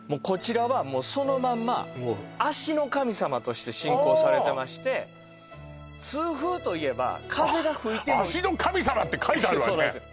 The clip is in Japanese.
こちらはもうそのまんま足の神様として信仰されてまして痛風といえば風が吹いても「足の神様」って書いてあるわね